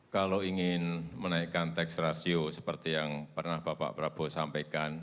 kalau ingin menaikkan tax ratio seperti yang pernah bapak prabowo sampaikan